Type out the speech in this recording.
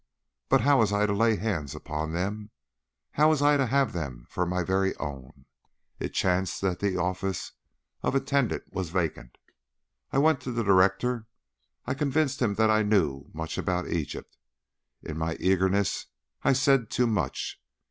"But how was I to lay hands upon them? How was I to have them for my very own? It chanced that the office of attendant was vacant. I went to the Director. I convinced him that I knew much about Egypt. In my eagerness I said too much.